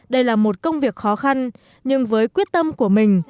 đây là một công việc khó khăn nhưng với quyết tâm của mình